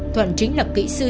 thuận chính là kỹ sư